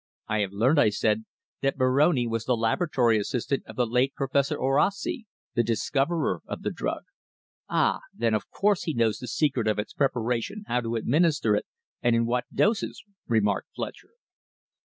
"I have learnt," I said, "that Moroni was the laboratory assistant of the late Professor Orosi, the discoverer of the drug." "Ah! Then of course he knows the secret of its preparation, how to administer it, and in what doses," remarked Fletcher.